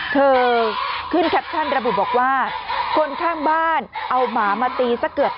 เธอขึ้นแคปชั่นระบุบอกว่าคนข้างบ้านเอาหมามาตีซะเกือบ